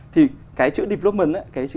thì cái chữ development